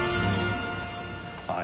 ああ